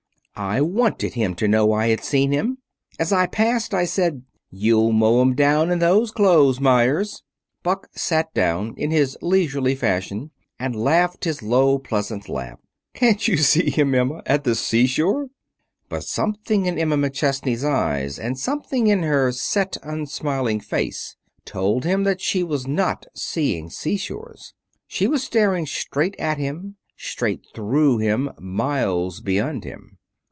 I wanted him to know I had seen him. As I passed, I said, 'You'll mow 'em down in those clothes, Meyers.'" Buck sat down in his leisurely fashion, and laughed his low, pleasant laugh. "Can't you see him, Emma, at the seashore?" But something in Emma McChesney's eyes, and something in her set, unsmiling face, told him that she was not seeing seashores. She was staring straight at him, straight through him, miles beyond him.